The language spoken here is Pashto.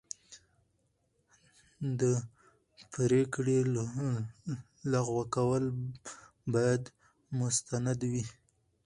د پرېکړې لغوه کول باید مستند وي.